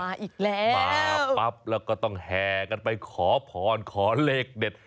มาปั๊บแล้วก็ต้องแห่กันไปขอผ่อนขอเล็กเด็ด